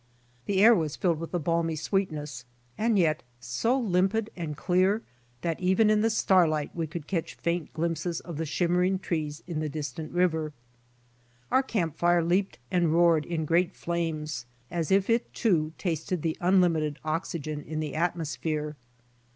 The air was filled with a balmy sweetness, and yet so limpid and clear that even in the starlight we could catch faint glimpses of the shimmerins: trees in the distant river. Our CELEBRATING THE FOURTH OF JULY 63 camp fire leaped up and roared in great flames, as if it, too, tasted the unlimited oxygen in the atmosphere.